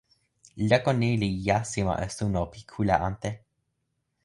leko ni li jasima e suno pi kule ante.